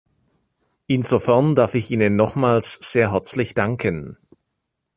Insofern darf ich Ihnen nochmals sehr herzlich danken.